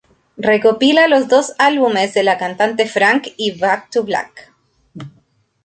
Recopila los dos álbumes de la cantante Frank y Back to Black